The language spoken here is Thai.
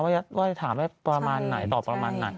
ว่าจะถามให้ตอบประมาณไหน